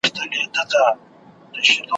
خدای دي په حیا کي را زړه که پر ما ګراني ,